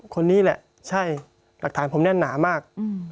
คนนี้แหละใช่หลักฐานผมแน่นหนามาก